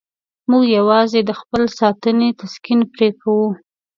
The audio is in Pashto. موږ یوازې د خپل عزت ساتنې تسکین پرې کوو.